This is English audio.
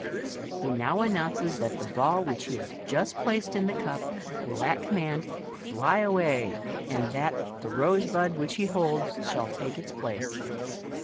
He now announces that the ball which he has just placed in the cup will at commaud fly away, and that the rose bud which he holds shall take its place.